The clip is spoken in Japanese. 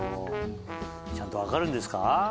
ちゃんと分かるんですか？